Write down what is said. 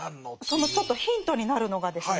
そのちょっとヒントになるのがですね